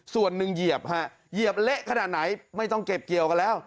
ส่วนหนึ่งเหยียบฮะเหยียบเละขนาดไหนไม่ต้องเก็บเกี่ยวกันแล้ว